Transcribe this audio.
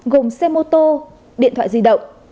gồm xe mô tô điện thoại di động